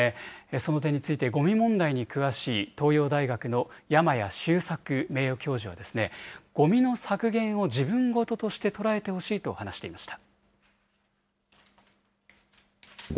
その点について、ごみ問題に詳しい、東洋大学の山谷修作名誉教授は、ごみの削減を自分事として捉えてほしいと話していました。